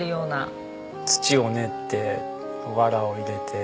土を練ってわらを入れて。